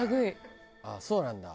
あっそうなんだ。